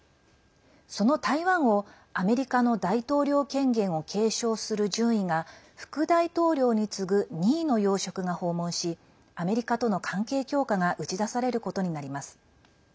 その台湾をアメリカの大統領権限を継承する順位が副大統領に次ぐ２位の要職が訪問しアメリカとの関係強化が打ち出されることになります。